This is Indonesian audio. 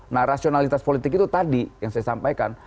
nah rasionalitas politik itu tadi yang saya sampaikan